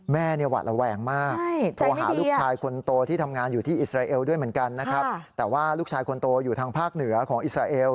แม่เนี่ยหวัดระแวงมากโทรหาลูกชายคนโตที่ทำงานอยู่ที่อิสราเอลด้วยเหมือนกันนะครับแต่ว่าลูกชายคนโตอยู่ทางภาคเหนือของอิสราเอล